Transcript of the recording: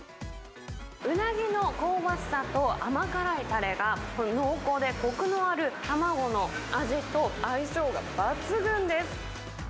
うなぎの香ばしさと甘辛いたれが、濃厚でこくのある卵の味と相性が抜群です。